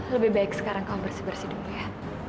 lebih baik sekarang kau bersih bersih dulu ya